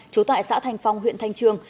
trú tại xã thành phong huyện thanh trương